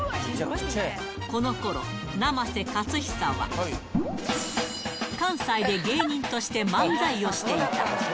このころ、生瀬勝久は、関西で芸人として漫才をしていた。